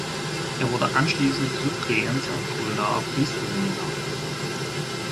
Er wurde anschließend Subregens am Fuldaer Priesterseminar.